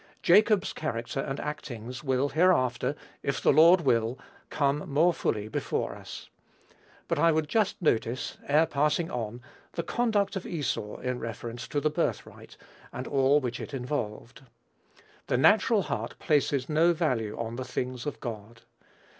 Jacob's character and actings will hereafter, if the Lord will, come more fully before us; but I would just notice, ere passing on, the conduct of Esau in reference to the birthright, and all which it involved. The natural heart places no value on the things of God.